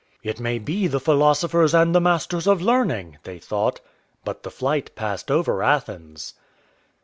"It may be the philosophers and the masters of learning," they thought. But the flight passed over Athens.